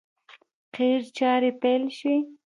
قیر چارې پیل شوې!